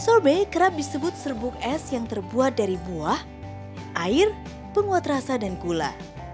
sorbet kerap disebut serbuk es yang terbuat dari buah air penguat rasa dan gula